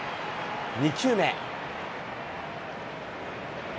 ２球目。